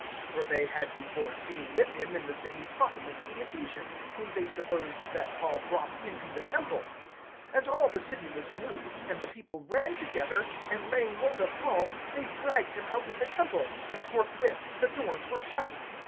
(29)For they had before seen with him in the city Trophimus the Ephesian, whom they supposed that Paul brought into the temple. (30)And all the city was moved, and the people ran together; and laying hold of Paul, they dragged him out of the temple; and forthwith the doors were shut.